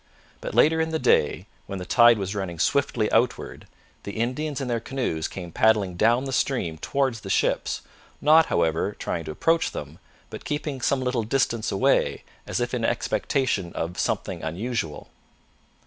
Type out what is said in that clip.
But later in the day, when the tide was running swiftly outward, the Indians in their canoes came paddling down the stream towards the ships, not, however, trying to approach them, but keeping some little distance away as if in expectation of something unusual.